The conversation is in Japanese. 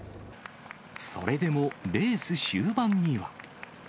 それでもレース終盤には。